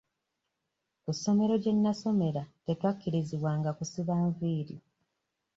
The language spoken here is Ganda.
Ku ssomero gye nasomera tetwakkirizibwanga kusiba nviiri.